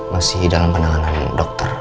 masih dalam penanganan dokter